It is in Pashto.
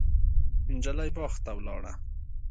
نجلۍ باغ ته ولاړه.